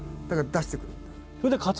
だから出してくるんで。